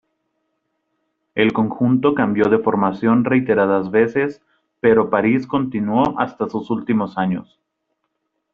El conjunto cambió de formación reiteradas veces, pero Paris continuó hasta sus últimos años.